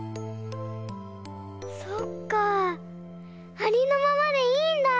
ありのままでいいんだ！